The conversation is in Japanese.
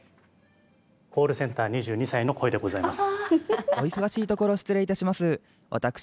コールセンター２２歳の声でございます。